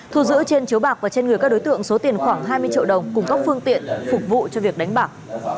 thu giữ trên chiếu bạc và trên người các đối tượng số tiền khoảng hai mươi triệu đồng cùng các phương tiện phục vụ cho việc đánh bạc